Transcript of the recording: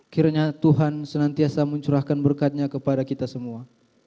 kiranya tuhan senantiasa mencurahkan berkatnya kepada kita semua